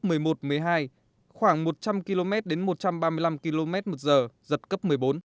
sức gió mạnh nhất vùng gần tâm bão mạnh một trăm linh km đến một trăm ba mươi năm km một giờ giật cấp một mươi bốn